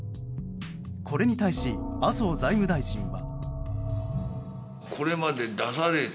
これに対し、麻生財務大臣は。